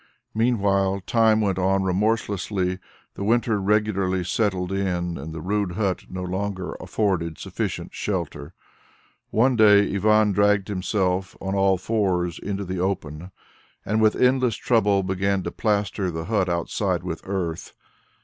Meanwhile, time went on remorselessly; the winter regularly settled in, and the rude hut no longer afforded sufficient shelter. One day Ivan dragged himself on all fours into the open, and with endless trouble began to plaster the hut outside with earth.